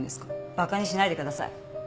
バカにしないでください。